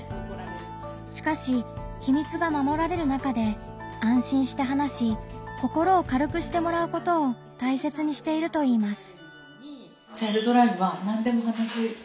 しかし秘密がまもられる中で安心して話し心を軽くしてもらうことを大切にしているといいます。